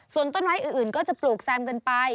ส่วนต้นไม้อื่นก็จะปลูกแซมกันไป